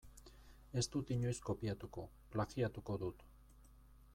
Ez dut inoiz kopiatuko, plagiatuko dut.